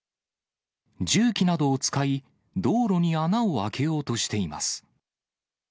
重機などを使い、道路に穴を開けようとしています。